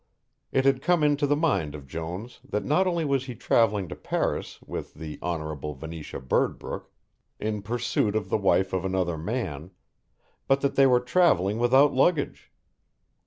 It had come into the mind of Jones that not only was he travelling to Paris with the Hon. Venetia Birdbrook, in pursuit of the wife of another man, but that they were travelling without luggage.